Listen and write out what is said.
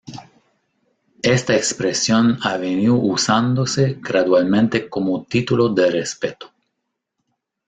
Esta expresión ha venido usándose gradualmente como título de respeto.